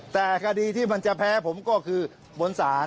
แต่คดีที่มันจะแพ้ผมก็คือบนศาล